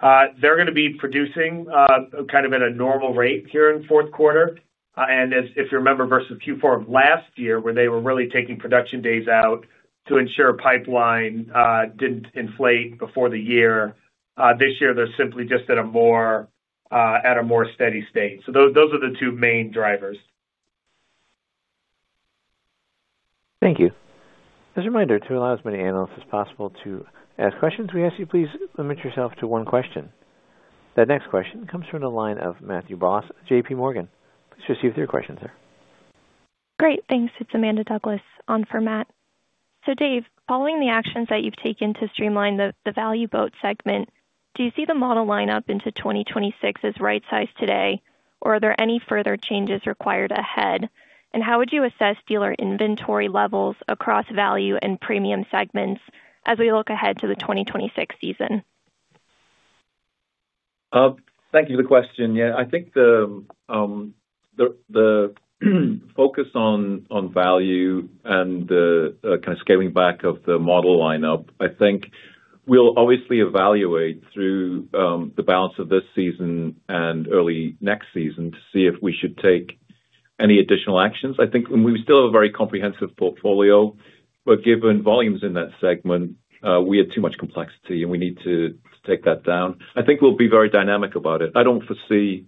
They're going to be producing kind of at a normal rate here in the fourth quarter. If you remember versus Q4 of last year, where they were really taking production days out to ensure pipeline didn't inflate before the year, this year they're simply just at a more steady state. Those are the two main drivers. Thank you. As a reminder, to allow as many analysts as possible to ask questions, we ask you please limit yourself to one question. That next question comes from the line of Matthew Bross at JPMorgan. Please proceed with your question, sir. Great. Thanks. It's Amanda Douglas on for Matt. Dave, following the actions that you've taken to streamline the value boat segment, do you see the model lineup into 2026 as right-sized today, or are there any further changes required ahead? How would you assess dealer inventory levels across value and premium segments as we look ahead to the 2026 season? Thank you for the question. I think the focus on value and the kind of scaling back of the model lineup, we'll obviously evaluate through the balance of this season and early next season to see if we should take any additional actions. I think we still have a very comprehensive portfolio, but given volumes in that segment, we had too much complexity and we need to take that down. I think we'll be very dynamic about it. I don't foresee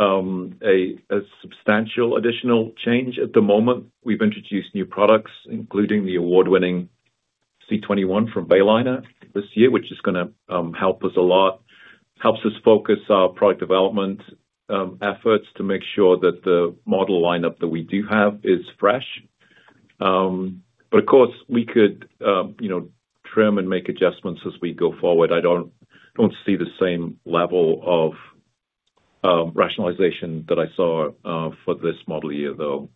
a substantial additional change at the moment. We've introduced new products, including the award-winning C21 from Bayliner this year, which is going to help us a lot. It helps us focus our product development efforts to make sure that the model lineup that we do have is fresh. Of course, we could trim and make adjustments as we go forward. I don't see the same level of rationalization that I saw for this model year, though.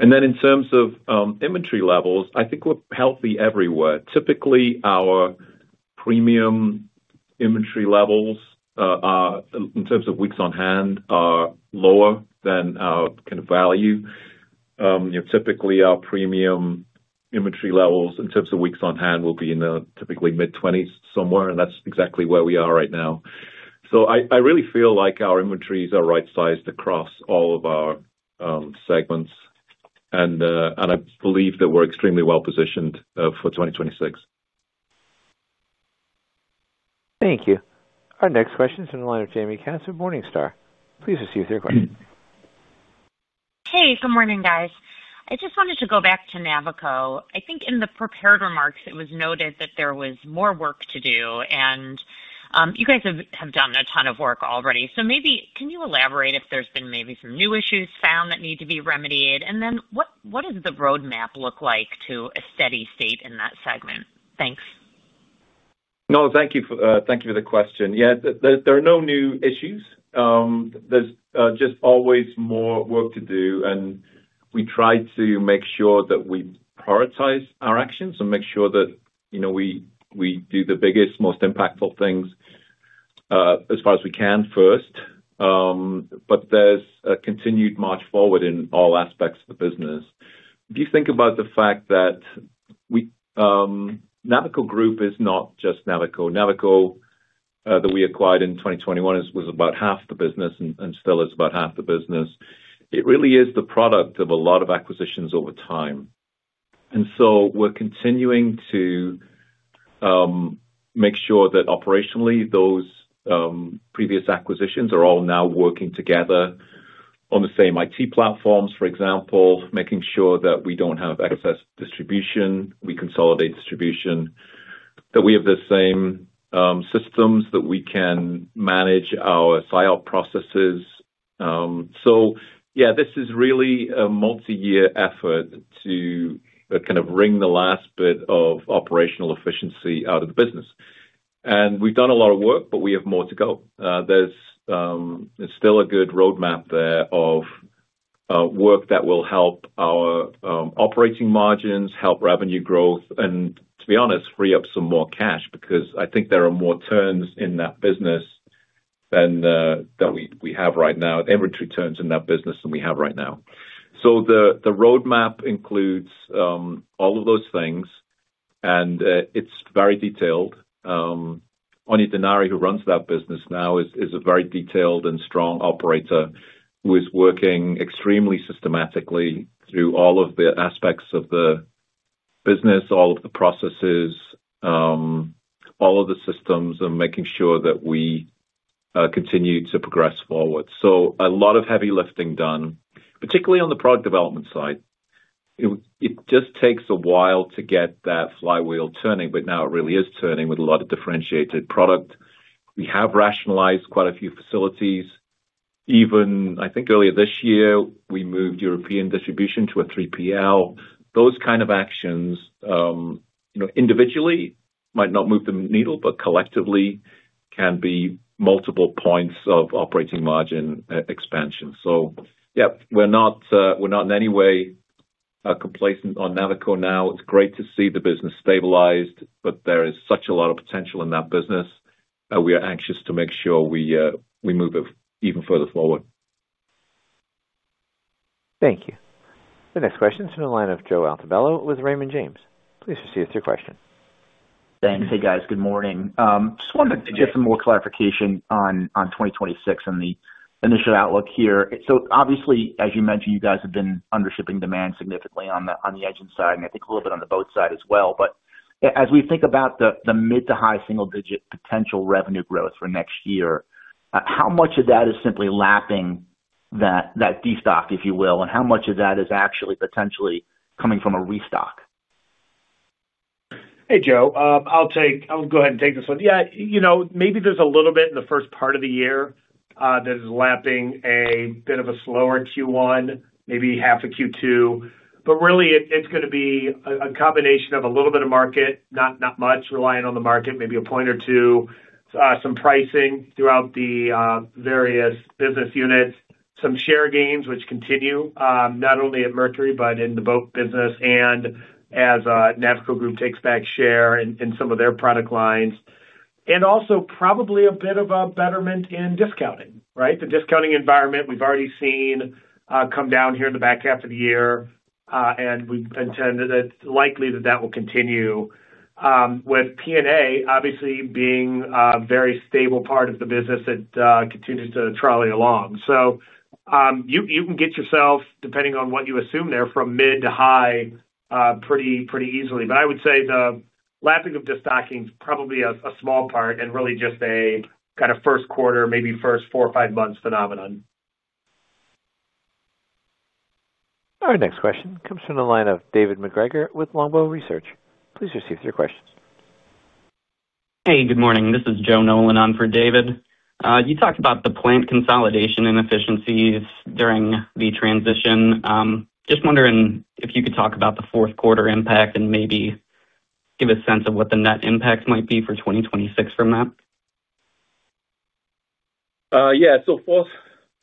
In terms of inventory levels, I think we're healthy everywhere. Typically, our premium inventory levels are, in terms of weeks on hand, lower than our kind of value. Typically, our premium inventory levels, in terms of weeks on hand, will be in the mid-20s somewhere, and that's exactly where we are right now. I really feel like our inventories are right-sized across all of our segments, and I believe that we're extremely well positioned for 2026. Thank you. Our next question is from the line of Jaime Katz with Morningstar. Please proceed with your question. Hey, good morning, guys. I just wanted to go back to Navico. I think in the prepared remarks, it was noted that there was more work to do, and you guys have done a ton of work already. Maybe can you elaborate if there's been maybe some new issues found that need to be remedied? What does the roadmap look like to a steady state in that segment? Thanks. No, thank you for the question. Yeah, there are no new issues. There's just always more work to do, and we try to make sure that we prioritize our actions and make sure that, you know, we do the biggest, most impactful things as far as we can first. There is a continued march forward in all aspects of the business. If you think about the fact that Navico Group is not just Navico. Navico, that we acquired in 2021, was about half the business and still is about half the business. It really is the product of a lot of acquisitions over time. We are continuing to make sure that operationally, those previous acquisitions are all now working together on the same IT platforms, for example, making sure that we don't have excess distribution. We consolidate distribution, that we have the same systems, that we can manage our silo processes. This is really a multi-year effort to kind of ring the last bit of operational efficiency out of the business. We've done a lot of work, but we have more to go. There's still a good roadmap there of work that will help our operating margins, help revenue growth, and to be honest, free up some more cash because I think there are more turns in that business than we have right now. There are two turns in that business than we have right now. The roadmap includes all of those things, and it's very detailed. Aine Denari, who runs that business now, is a very detailed and strong operator who is working extremely systematically through all of the aspects of the business, all of the processes, all of the systems, and making sure that we continue to progress forward. A lot of heavy lifting has been done, particularly on the product development side. It just takes a while to get that flywheel turning, but now it really is turning with a lot of differentiated product. We have rationalized quite a few facilities. Even, I think, earlier this year, we moved European distribution to a 3PL. Those kind of actions, you know, individually might not move the needle, but collectively can be multiple points of operating margin expansion. We are not in any way complacent on Navico now. It's great to see the business stabilized, but there is such a lot of potential in that business that we are anxious to make sure we move it even further forward. Thank you. The next question is from the line of Joe Altobello with Raymond James. Please proceed with your question. Thanks. Good morning. Just wanted to get some more clarification on 2026 and the initial outlook here. As you mentioned, you have been undershipping demand significantly on the engine side and I think a little bit on the boat side as well. As we think about the mid to high single-digit potential revenue growth for next year, how much of that is simply lapping that de-stock, if you will, and how much of that is actually potentially coming from a restock? Hey, Joe. I'll go ahead and take this one. Maybe there's a little bit in the first part of the year that is lapping a bit of a slower Q1, maybe half a Q2. It's going to be a combination of a little bit of market, not much relying on the market, maybe a point or two, some pricing throughout the various business units, some share gains, which continue, not only at Mercury, but in the boat business and as Navico Group takes back share in some of their product lines. Also, probably a bit of a betterment in discounting, right? The discounting environment we've already seen come down here in the back half of the year, and we intend that it's likely that will continue, with P&A obviously being a very stable part of the business that continues to trolley along. You can get yourself, depending on what you assume there, from mid to high pretty easily. I would say the lapping of de-stocking is probably a small part and really just a kind of first quarter, maybe first four or five months phenomenon. Our next question comes from the line of David MacGregor with Longbow Research. Please proceed with your question. Hey, good morning. This is Joe Nolan on for David. You talked about the plant consolidation inefficiencies during the transition. Just wondering if you could talk about the fourth quarter impact and maybe give a sense of what the net impacts might be for 2026 from that. Yeah,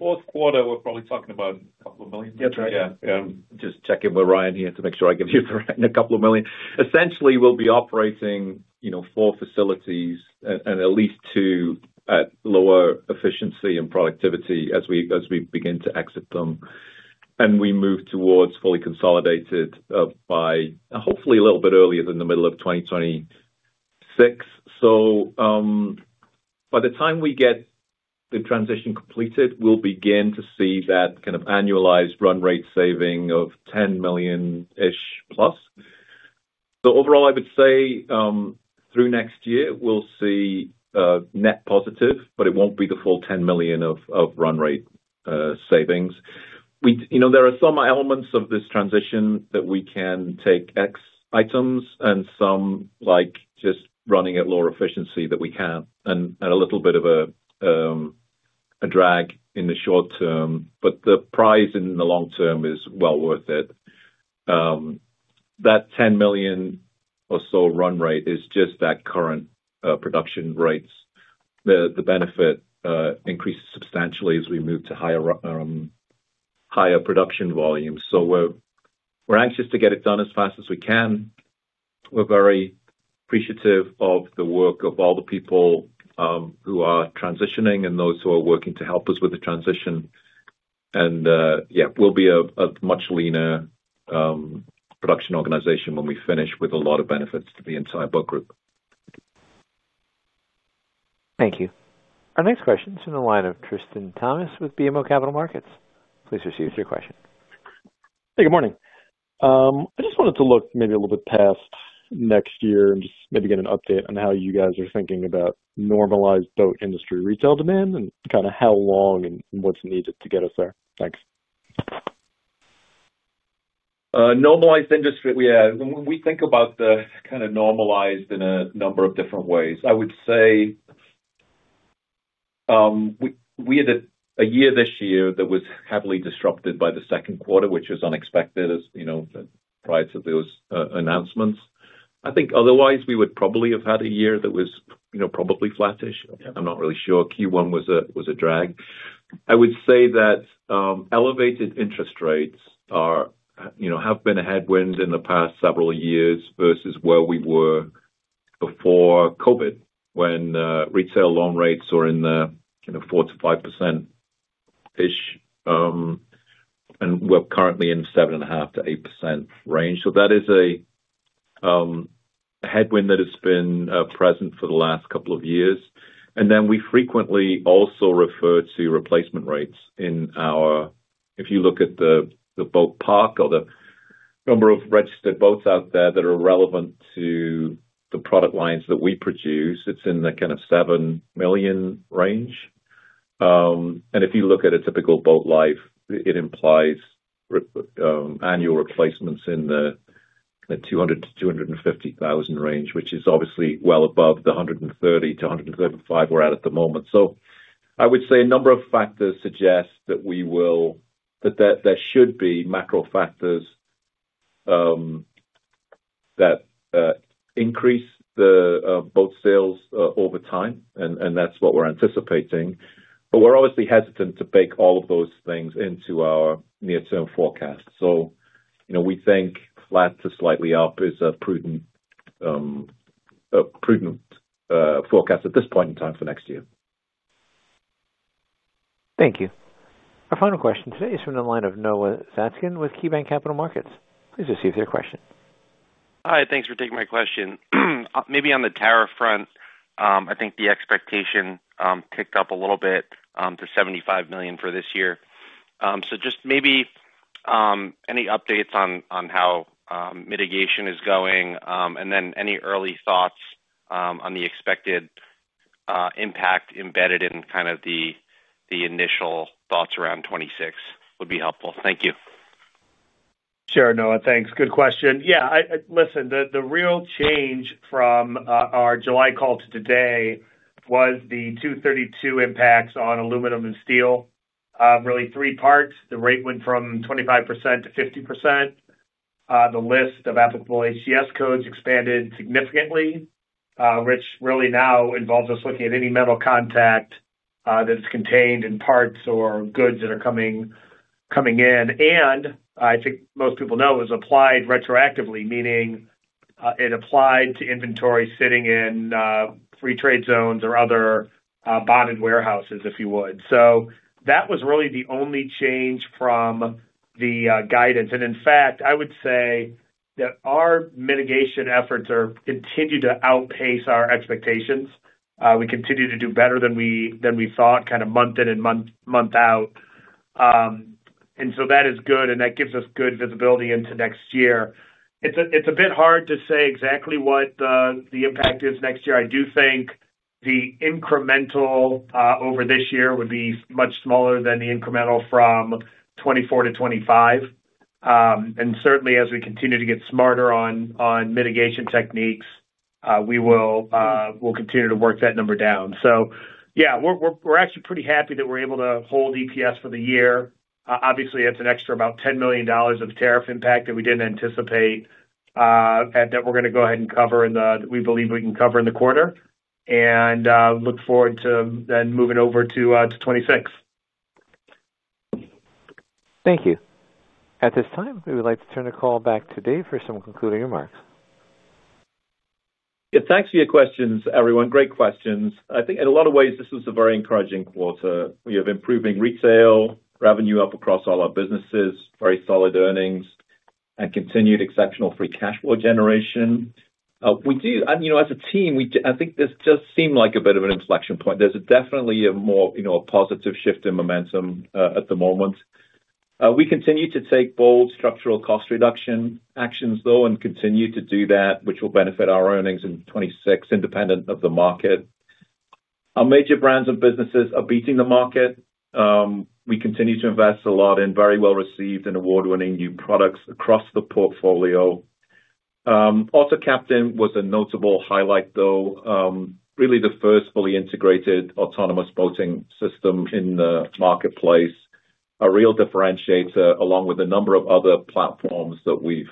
fourth quarter, we're probably talking about a couple of million. That's right. Yeah, just checking with Ryan here to make sure I give you the right in a couple of million. Essentially, we'll be operating four facilities and at least two at lower efficiency and productivity as we begin to exit them. We move towards fully consolidated by hopefully a little bit earlier than the middle of 2026. By the time we get the transition completed, we'll begin to see that kind of annualized run-rate saving of $10-ish million plus. Overall, I would say through next year, we'll see net positive, but it won't be the full $10 million of run-rate savings. There are some elements of this transition that we can take X items and some like just running at lower efficiency that we can and a little bit of a drag in the short-term. The prize in the long-term is well worth it. That $10 million or so run-rate is just at current production rates. The benefit increases substantially as we move to higher production volumes. We're anxious to get it done as fast as we can. We're very appreciative of the work of all the people who are transitioning and those who are working to help us with the transition. We'll be a much leaner production organization when we finish with a lot of benefits to the entire boat group. Thank you. Our next question is from the line of Tristan Thomas with BMO Capital Markets. Please proceed with your question. Hey, good morning. I just wanted to look maybe a little bit past next year and just maybe get an update on how you guys are thinking about normalized boat industry retail demand and kind of how long and what's needed to get us there. Thanks. Normalized industry, yeah, when we think about the kind of normalized in a number of different ways, I would say we had a year this year that was heavily disrupted by the second quarter, which was unexpected, as you know, prior to those announcements. I think otherwise, we would probably have had a year that was, you know, probably flattish. I'm not really sure. Q1 was a drag. I would say that elevated interest rates are, you know, have been a headwind in the past several years versus where we were before COVID when retail loan rates were in the, you know, 4%-5% range and we're currently in the 7.5%-8% range. That is a headwind that has been present for the last couple of years. We frequently also refer to replacement rates in our, if you look at the boat park or the number of registered boats out there that are relevant to the product lines that we produce, it's in the kind of 7 million range. If you look at a typical boat life, it implies annual replacements in the 200,000-250,000 range, which is obviously well above the 130,000-135,000 we're at at the moment. I would say a number of factors suggest that we will, that there should be macro factors that increase the boat sales over time, and that's what we're anticipating. We're obviously hesitant to bake all of those things into our near-term forecast. You know, we think flat to slightly up is a prudent forecast at this point in time for next year. Thank you. Our final question today is from the line of Noah Zatzkin with KeyBanc Capital Markets Inc. Please receive your question. Hi, thanks for taking my question. Maybe on the tariff front, I think the expectation ticked up a little bit to $75 million for this year. Just maybe any updates on how mitigation is going and then any early thoughts on the expected impact embedded in kind of the initial thoughts around 2026 would be helpful. Thank you. Sure, Noah. Thanks. Good question. The real change from our July call to today was the 232 impacts on aluminum and steel, really three parts. The rate went from 25% to 50%. The list of applicable ACS codes expanded significantly, which really now involves us looking at any metal contact that's contained in parts or goods that are coming in. I think most people know it was applied retroactively, meaning it applied to inventory sitting in free trade zones or other bonded warehouses, if you would. That was really the only change from the guidance. In fact, I would say that our mitigation efforts continue to outpace our expectations. We continue to do better than we thought, kind of month in and month out. That is good, and that gives us good visibility into next year. It's a bit hard to say exactly what the impact is next year. I do think the incremental over this year would be much smaller than the incremental from 2024 to 2025. Certainly, as we continue to get smarter on mitigation techniques, we will continue to work that number down. We're actually pretty happy that we're able to hold EPS for the year. Obviously, that's an extra about $10 million of tariff impact that we didn't anticipate that we're going to go ahead and cover in the, we believe we can cover in the quarter and look forward to then moving over to 2026. Thank you. At this time, we would like to turn the call back to David Foulkes for some concluding remarks. Yeah, thanks for your questions, everyone. Great questions. I think in a lot of ways, this was a very encouraging quarter. We have improving retail revenue up across all our businesses, very solid earnings, and continued exceptional free cash flow generation. As a team, I think this just seemed like a bit of an inflection point. There's definitely a more positive shift in momentum at the moment. We continue to take bold structural cost reduction actions and continue to do that, which will benefit our earnings in 2026, independent of the market. Our major brands and businesses are beating the market. We continue to invest a lot in very well-received and award-winning new products across the portfolio. AutoCaptain was a notable highlight, really the first fully integrated autonomous boating system in the marketplace, a real differentiator along with a number of other platforms that we've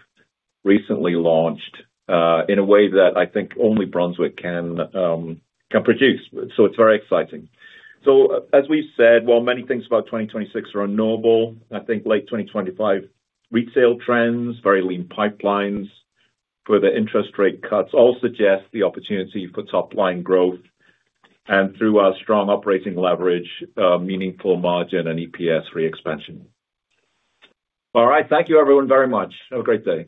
recently launched in a way that I think only Brunswick can produce. It's very exciting. As we've said, many things about 2026 are unknowable. I think late 2025 retail trends, very lean pipelines for the interest rate cuts all suggest the opportunity for top-line growth and through our strong operating leverage, meaningful margin and EPS free expansion. All right, thank you everyone very much. Have a great day.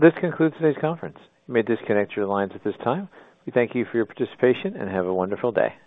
This concludes today's conference. You may disconnect your lines at this time. We thank you for your participation and have a wonderful day.